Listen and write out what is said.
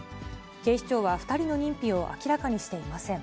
警視庁は２人の認否を明らかにしていません。